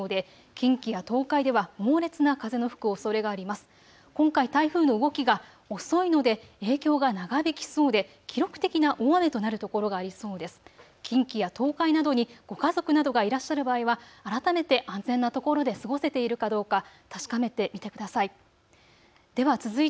近畿や東海などにご家族などがいらっしゃる場合は改めて安全なところで過ごせているかどうか確かめてみてください。